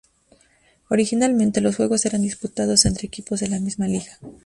Originalmente, los juegos eran disputados entre equipos de la misma liga.